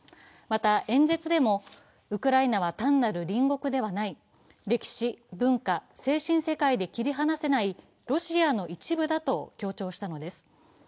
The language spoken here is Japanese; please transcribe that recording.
また、演説でもウクライナは単なる隣国ではない、歴史・文化・精神世界で切り離せないロシアの一部だと強調したのです。